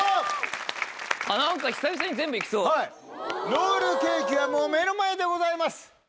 ロールケーキはもう目の前でございます！